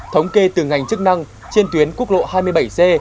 thống kê từ ngành chức năng trên tuyến quốc lộ hai mươi bảy c